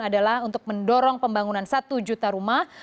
adalah untuk mendorong pembangunan satu juta rumah